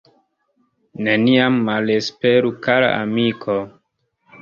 Neniam malesperu kara amiko.